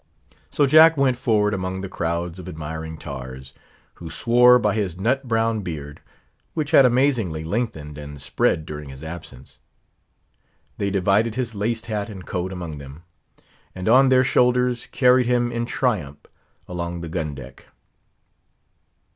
So Jack went forward among crowds of admiring tars, who swore by his nut brown beard, which had amazingly lengthened and spread during his absence. They divided his laced hat and coat among them; and on their shoulders, carried him in triumph along the gun deck.